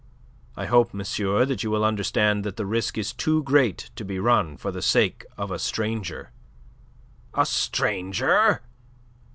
I hope, monsieur, that you will understand that the risk is too great to be run for the sake of a stranger." "A stranger?"